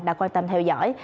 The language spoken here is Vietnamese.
đã quan tâm theo dõi